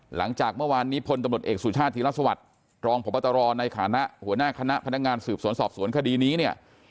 หลังจากเมื่อวานนี้พตเสุชาติธิรัฐสวรรค์รองพตในคณะหัวหน้าคณะคณะงานสืบสวนสอบสวนคดีนี้